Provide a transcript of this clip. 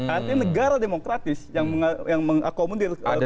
artinya negara demokratis yang mengakomodir atau kekuasaan